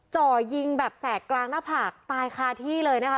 จ่อยิงแบบแสกกลางหน้าผากตายคาที่เลยนะคะ